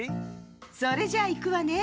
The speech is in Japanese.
それじゃいくわね。